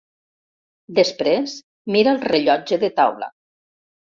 Després mira el rellotge de taula.